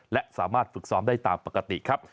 และสามารถฝึกซ้อมได้ตามปกติครับ